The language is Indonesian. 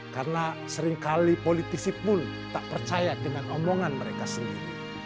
karena seringkali politisi pun tak percaya dengan omongan mereka sendiri